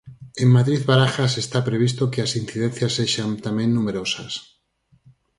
En Madrid Barajas está previsto que as incidencias sexan tamén numerosas.